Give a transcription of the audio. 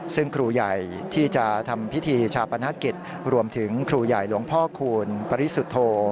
ซึ่งครูใหญ่ที่จะทำพิธีชาปนกิจรวมถึงครูใหญ่หลวงพ่อคูณปริสุทธโธ